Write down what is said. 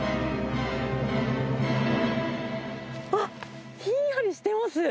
あっひんやりしてます。